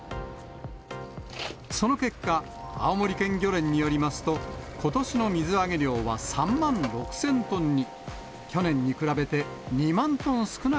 その結果、青森県漁連によりますと、ことしの水揚げ量は３万６０００トンに。